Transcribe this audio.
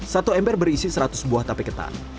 satu ember berisi seratus buah tape ketan